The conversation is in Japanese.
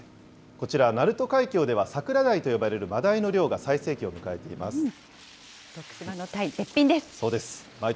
こちら、鳴門海峡では桜だいと呼ばれるマダイの漁が最盛期を迎えています。